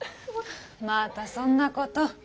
まぁたそんなことを。